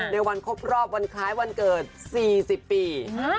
ในวันครบรอบวันคล้ายวันเกิด๔๐ปี